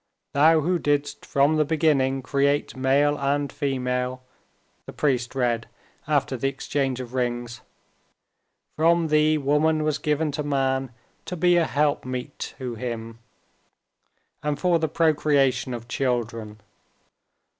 "Thou who didst from the beginning create male and female," the priest read after the exchange of rings, "from Thee woman was given to man to be a helpmeet to him, and for the procreation of children.